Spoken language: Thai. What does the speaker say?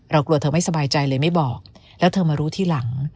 กลัวเธอไม่สบายใจเลยไม่บอกแล้วเธอมารู้ทีหลัง